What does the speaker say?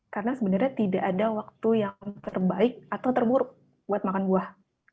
karena sebenarnya tidak ada waktu yang terbaik atau terburuk buat makan buah